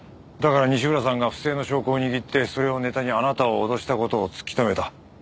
だから西浦さんが不正の証拠を握ってそれをネタにあなたを脅した事を突き止めた。